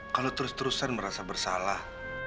kalau terus terusan merasa bersalah